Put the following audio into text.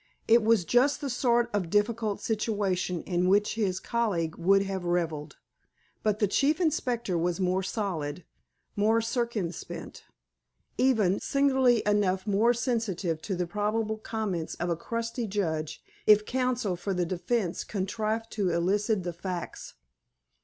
It was just the sort of difficult situation in which his colleague would have reveled. But the Chief Inspector was more solid, more circumspect, even, singularly enough, more sensitive to the probable comments of a crusty judge if counsel for the defense contrived to elicit the facts.